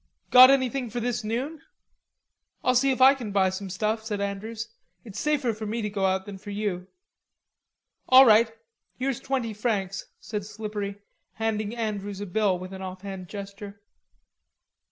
"Got anything for this noon?" "I'll go see if I can buy some stuff," said Andrews. "It's safer for me to go out than for you." "All right, here's twenty francs," said Slippery, handing Andrews a bill with an offhand gesture.